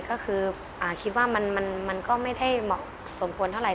ก็คือคิดว่ามันก็ไม่ได้เหมาะสมควรเท่าไห